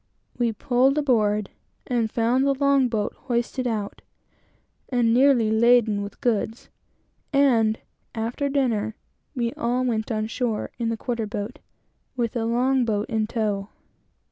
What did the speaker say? We pulled aboard, and found the long boat hoisted out, and nearly laden with goods; and after dinner, we all went on shore in the quarter boat, with the long boat in tow.